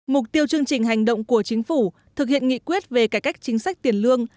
mục tiêu chương trình hành động của chính phủ thực hiện nghị quyết về cải cách chính sách tiền lương